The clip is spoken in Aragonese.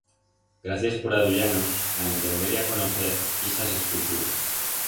Gracias por aduyar-nos a entender y a conocer ixas esculturas.